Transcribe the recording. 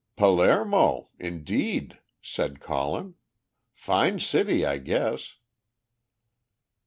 "Pal aer mo? Indeed!" said Colin. "Fine city, I guess."